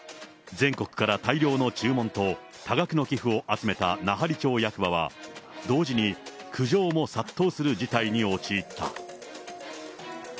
全国から大量の注文と、多額の寄付を集めた奈半利町役場は、同時に苦情も殺到する事態に陥った。